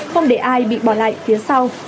không để ai bị bỏ lại phía sau